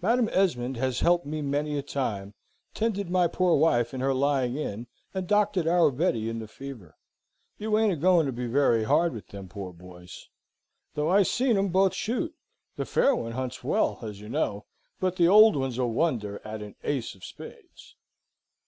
Madam Esmond has helped me many a time, tended my poor wife in her lying in, and doctored our Betty in the fever. You ain't a going to be very hard with them poor boys? Though I seen 'em both shoot: the fair one hunts well, as you know, but the old one's a wonder at an ace of spades."